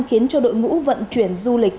khiến cho đội ngũ vận chuyển du lịch